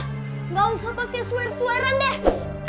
gak usah pake suwer suweran deh